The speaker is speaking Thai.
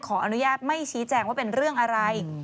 ขออนุญาตไม่ชี้แจงว่าเป็นเรื่องอะไร